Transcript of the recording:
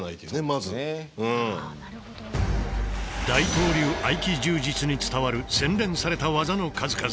大東流合気柔術に伝わる洗練された技の数々。